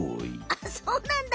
あっそうなんだ。